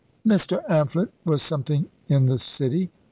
Mr. Amphlett was something in the City!